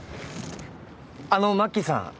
あのマッキーさん。